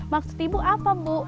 maksud ibu apa bu